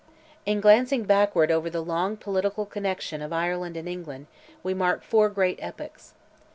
In glancing backward over the long political connexion of Ireland and England, we mark four great epochs.